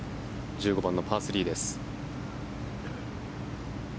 １５番のパー３です。